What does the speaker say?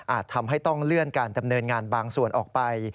ทำให้ต้องเลื่อนการดำเนินงานบางส่วนออกไป